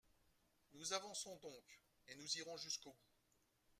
Nous avançons donc, et nous irons jusqu’au bout.